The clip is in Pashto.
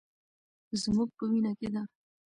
زموږ په وینه کې ده.